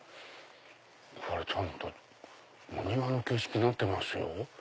ちゃんとお庭の形式になってますよ。